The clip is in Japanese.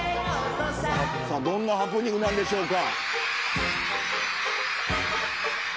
どんなハプニングなんでしょうか。